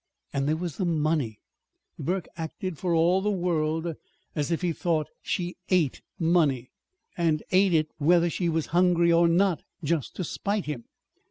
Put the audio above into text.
And there was the money. Burke acted, for all the world, as if he thought she ate money, and ate it whether she was hungry or not, just to spite him.